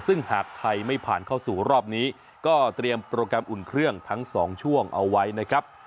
ซึ่งหากไทยไม่ผ่านเข้าสู่รอบนี้ก็เตรียมโปรแกรมอุ่นเครื่องทั้ง๒ช่วงเอาไว้นะครับ